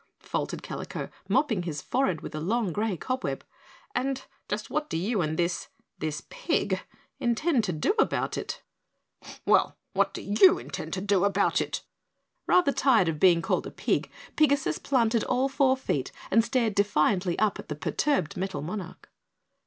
faltered Kalico, mopping his forehead with a long gray cobweb, "and just what do you and this this pig intend to do about it?" "What do YOU intend to do about it?" Rather tired of being called a pig, Pigasus planted all four feet and stared defiantly up at the perturbed Metal Monarch.